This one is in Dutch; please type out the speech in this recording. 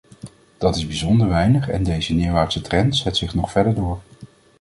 Dat is bijzonder weinig en deze neerwaartse trend zet zich nog verder door.